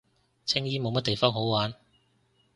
青衣冇乜地方好玩